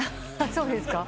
そうですか？